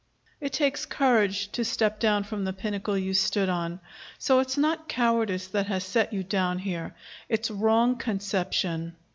It takes courage to step down from the pinnacle you stood on. So it's not cowardice that has set you down here. It's wrong conception.